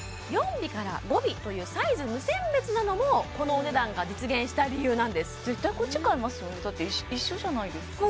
４尾から５尾というサイズ無選別なのもこのお値段が実現した理由なんです絶対こっち買いますよねだって一緒じゃないですか